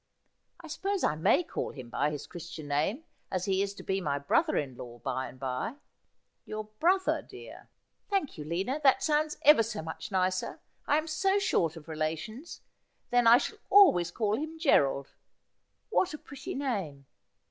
I suppose I may call him by his christian name, as he is to be my brother in law by and by.' ' Your brother, dear.' ' Thank you, Lina. That sounds ever so much nicer. I am so short of relations. Then I shall always call him Gerald. What a pretty name